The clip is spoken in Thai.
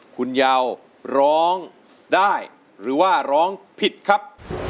คุณเยาวร้องได้หรือว่าร้องผิดครับ